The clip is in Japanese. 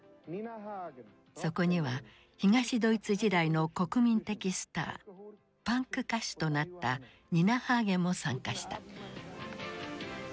そこには東ドイツ時代の国民的スターパンク歌手となったニナ・ハーゲンも参加した。